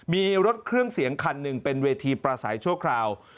มีรถเครื่องเสียงคันหนึ่งเป็นเวทีประสัยชั่วคราว